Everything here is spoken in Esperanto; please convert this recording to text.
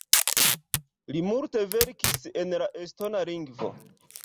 Li multe verkis en la estona lingvo.